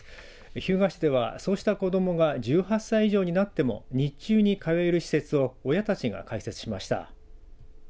日向市ではそうした子どもが１８歳以上になっても日中に通える施設を親たちが開設しました。